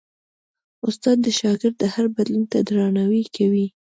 استاد د شاګرد هر بدلون ته درناوی کوي.